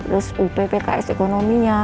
terus uppks ekonominya